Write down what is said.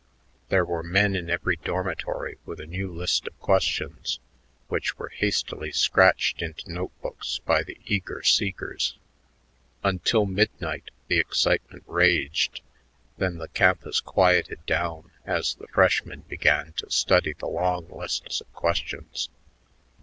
There were men in every dormitory with a new list of questions, which were hastily scratched into note books by the eager seekers. Until midnight the excitement raged; then the campus quieted down as the freshmen began to study the long lists of questions.